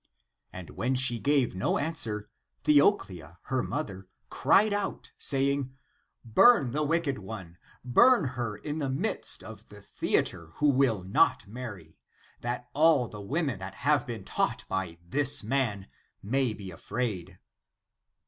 And when she gave no answer, Theoclia, her mother, cried out saying: "Burn the wicked one; burn her in the midst of the theatre who will not marry, that all the women that have been taught by this man may be afraid."